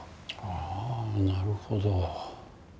ああなるほど。